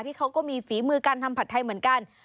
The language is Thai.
เขาก็มีฝีมือการทำผัดไทยเหมือนกัน